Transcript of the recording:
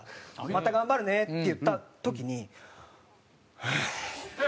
「また頑張るね」って言った時に「はあ」。